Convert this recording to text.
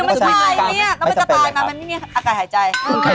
น่าจะตายเนี่ยเป็นอากาศหายใจ